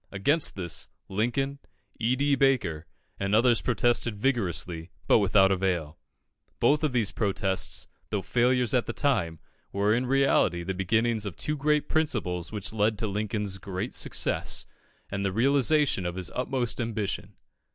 Against this, Lincoln, E. D. Baker, and others protested vigorously, but without avail. Both of these protests, though failures at the time, were in reality the beginnings of the two great principles which led to Lincoln's great success, and the realisation of his utmost ambition.